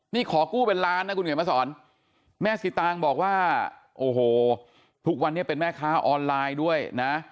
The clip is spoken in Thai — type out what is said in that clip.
นี่ขอกู้เป็นล้านนะคุณเขียนมาสอนแม่สิตางบอกว่าโอ้โหทุกวันนี้เป็นแม่ค้าออนไลน์ด้วยนะ